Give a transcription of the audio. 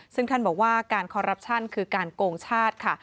ซึ่งท่านบอกว่าการคอรัปชั่นคือการโกงชาติค่ะ